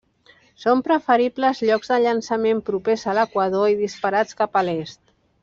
Són preferibles llocs de llançament propers a l'equador i disparats cap a l'Est.